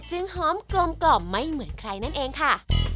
หอมกลมกล่อมไม่เหมือนใครนั่นเองค่ะ